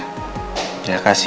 kalau nanti michi kalah cantik